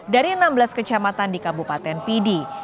dari enam belas kecamatan di kabupaten pidi